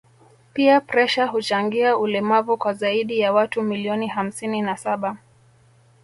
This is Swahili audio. pia presha huchangia ulemavu kwa zaidi ya watu milioni hamsini na saba